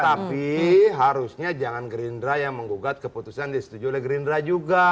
tapi harusnya jangan gerindra yang menggugat keputusan disetujui oleh gerindra juga